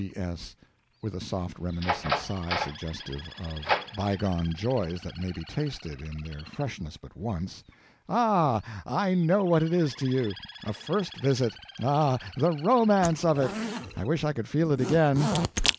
G.S. (With a soft reminiscent sigh suggestive of bygone joys that may be tasted in their freshness but once.) Ah, I know what it is to you. A first visit! ah, the romance of it! I wish I could feel it again.